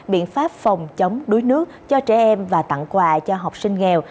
biện pháp phòng chống đuối nước cho trẻ em và tặng quà cho học sinh nghèo